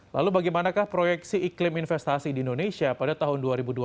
lalu bagaimanakah proyeksi iklim investasi di indonesia pada tahun dua ribu dua puluh